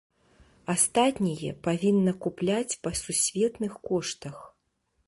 Астатняе павінна купляць па сусветных коштах.